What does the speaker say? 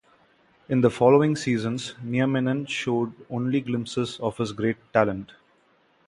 In the following seasons, Nieminen showed only glimpses of his great talent.